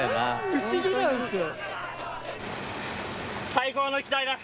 不思議なんすよ。